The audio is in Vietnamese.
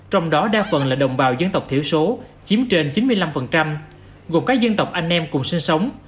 trong đó đa phần là đồng bào dân tộc thiểu số chiếm trên chín mươi năm gồm các dân tộc anh em cùng sinh sống